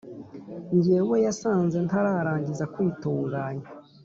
njyewe yasanze nntararangiza kwitunganya